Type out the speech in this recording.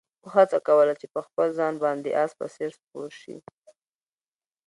اوښ هڅه کوله چې په خپل ځان باندې د اس په څېر سپور شي.